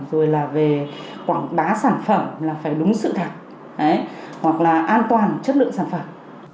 rồi là về quảng bá sản phẩm là phải đúng sự thật hoặc là an toàn chất lượng sản phẩm